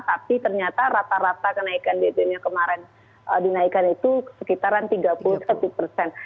tapi ternyata rata rata kenaikan bbm nya kemarin dinaikkan itu sekitaran tiga puluh satu persen